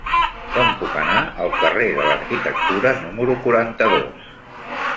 Com puc anar al carrer de l'Arquitectura número quaranta-dos?